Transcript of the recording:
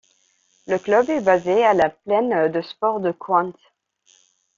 Le club est basé à la Plaine de sports de Cointe.